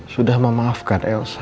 sudah memaafkan elsa